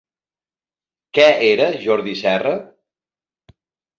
Què era Jordi Serra?